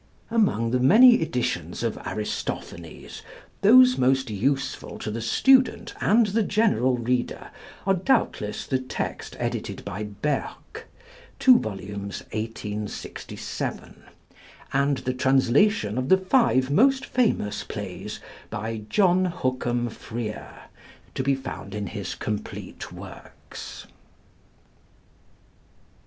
Among the many editions of Aristophanes, those most useful to the student and the general reader are doubtless the text edited by Bergk (2 vols., 1867), and the translations of the five most famous plays by John Hookham Frere, to be found in his complete works.